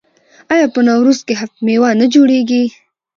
آیا په نوروز کې هفت میوه نه جوړیږي؟